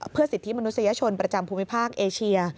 เพื่อสิทธิมนุษยชนประจำภูมิภาคเอเชีย